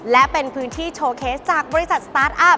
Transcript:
และเป็นพื้นที่โชว์เคสจากบริษัทสตาร์ทอัพ